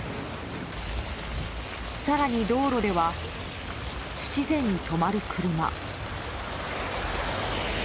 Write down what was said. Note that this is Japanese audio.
更に、道路では不自然に止まる車。